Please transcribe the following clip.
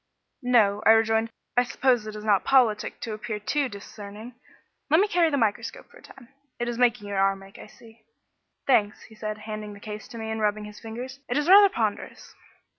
"No," I rejoined, "I suppose it is not politic to appear too discerning. Let me carry the microscope for a time; it is making your arm ache, I see." "Thanks," said he, handing the case to me and rubbing his fingers; "it is rather ponderous."